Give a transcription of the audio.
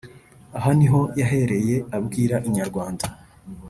Aha niho yahereye abwira Inyarwanda